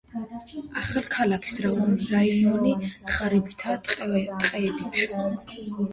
ახალქალაქის რაიონი ღარიბია ტყეებით.